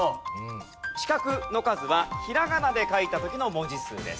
四角の数はひらがなで書いた時の文字数です。